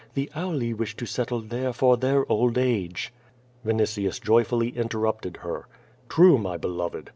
The Auli wisli to settle there for their old age." Vinitius joyfully interrupted her. "True, luy beloved.